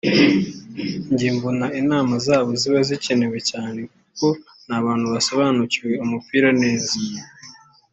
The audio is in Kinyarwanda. Njye mbona inama zabo ziba zikenewe cyane kuko n’abantu basobanukiwe umupira neza